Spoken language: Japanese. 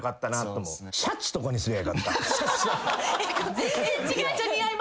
全然違う。